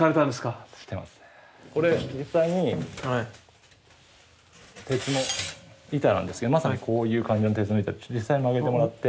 これ実際に鉄の板なんですけどまさにこういう感じの鉄の板で実際に曲げてもらって。